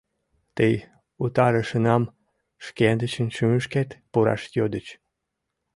— Тый Утарышынам шкендычын шӱмышкет пураш йодыч.